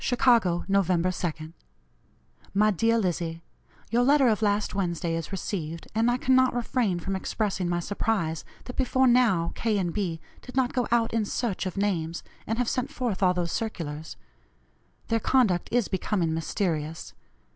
"CHICAGO, Nov. 2nd. "MY DEAR LIZZIE: Your letter of last Wednesday is received, and I cannot refrain from expressing my surprise that before now K. and B. did not go out in search of names, and have sent forth all those circulars. Their conduct is becoming mysterious.